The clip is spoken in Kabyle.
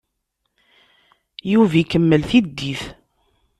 Yuba ikemmel tiddit.